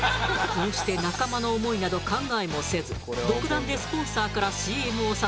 こうして仲間の思いなど考えもせず独断でスポンサーからＣＭを授かった令和の義経。